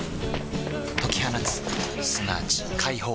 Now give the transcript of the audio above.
解き放つすなわち解放